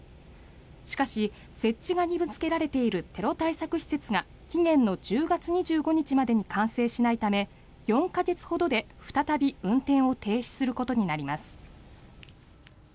しかし設置が義務付けられているテロ対策施設が期限の１０月２５日までに完成しないため４か月ほどで再び運転を停止することになります。